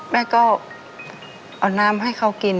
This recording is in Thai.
แม่ก็เอาน้ำให้เขากิน